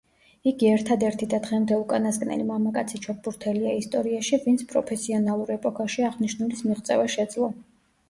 იგი ერთადერთი და დღემდე უკანასკნელი მამაკაცი ჩოგბურთელია ისტორიაში, ვინც პროფესიონალურ ეპოქაში აღნიშნულის მიღწევა შეძლო.